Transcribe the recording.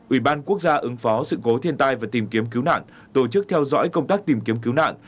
ủy ban quốc gia ứng phó sự cố thiên tai và tìm kiếm cứu nạn tổ chức theo dõi công tác tìm kiếm cứu nạn